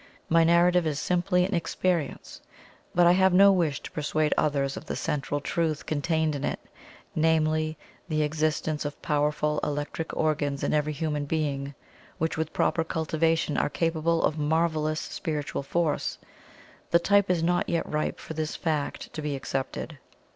My narrative is simply an "experience:" but I have no wish to persuade others of the central truth contained in it namely, THE EXISTENCE OF POWERFUL ELECTRIC ORGANS IN EVERY HUMAN BEING, WHICH WITH PROPER CULTIVATION ARE CAPABLE OF MARVELLOUS SPIRITUAL FORCE. The time is not yet ripe for this fact to be accepted.